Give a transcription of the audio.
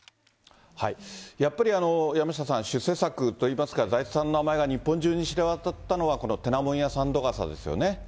やっぱりあの、山下さん、出世作といいますか、財津さんの名前が日本中に知れ渡ったのはてなもんや三度笠ですよ